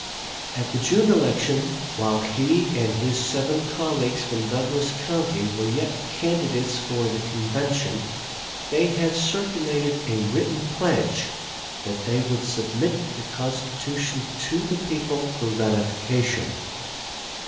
At the June election, while he and his seven colleagues from Douglas County were yet candidates for the convention, they had circulated a written pledge that they would submit the constitution to the people for ratification.